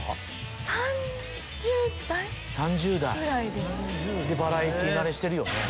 ３０代でバラエティー慣れしてるよね。